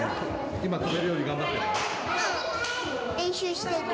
今、跳べるように頑張ってるの？